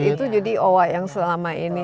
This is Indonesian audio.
itu jadi owa yang selama ini